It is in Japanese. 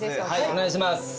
お願いします。